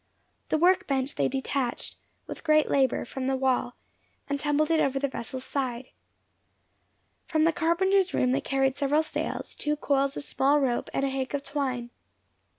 The work bench they detached, with great labour, from the wall, and tumbled it over the vessel's side. From the carpenter's room they carried several sails, two coils of small rope, and a hank of twine.